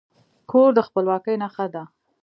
کور د خپلواکي نښه ده.